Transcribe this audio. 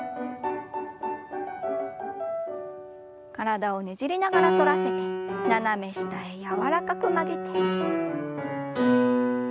体をねじりながら反らせて斜め下へ柔らかく曲げて。